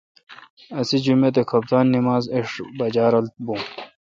اسے° جمیت اے°کھپتان نماز ایݭٹھ بجا رل بون